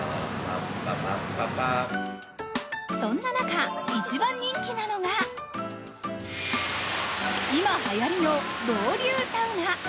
そんな中、一番人気なのが、今、はやりのロウリュウサウナ。